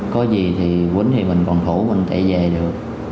có gì thì quấn thì mình còn thủ mình tẩy về được